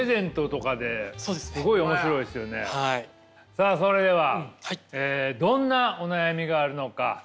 さあそれではどんなお悩みがあるのか。